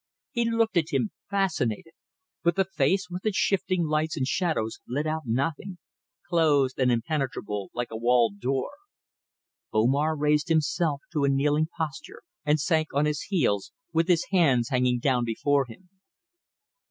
He looked at him, fascinated, but the face, with its shifting lights and shadows, let out nothing, closed and impenetrable like a walled door. Omar raised himself to a kneeling posture and sank on his heels, with his hands hanging down before him.